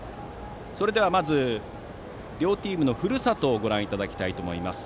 それでは、まず両チームのふるさとをご覧いただきたいと思います。